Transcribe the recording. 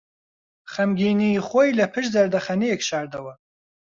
خەمگینیی خۆی لەپشت زەردەخەنەیەک شاردەوە.